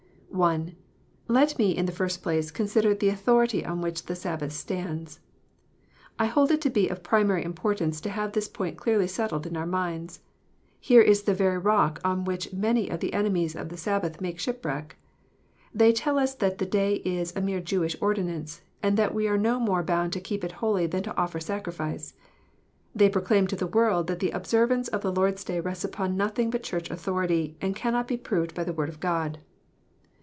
I. Let me, in the first place, consider the authority on which the Sabbath stands. I hold it to be of primary importance to have this point clearly settled in our minds. Here is the very rock on which many of the enemies of the Sabbath make shipwreck. They tell us that the day is " a mere Jewish ordinance," and that we are no more bound to keep it holy than to offer sacrifice. They proclaim to the world that the observance of the Lord s Day rests upon nothing but Church authority, and cannot be proved by the Word of God. 300 KNOTS UNTIED.